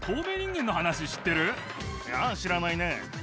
いや知らないね。